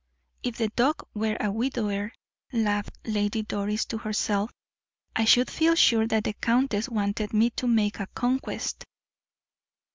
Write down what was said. "If the duke were a widower," laughed Lady Doris to herself, "I should feel sure that the countess wanted me to make a conquest."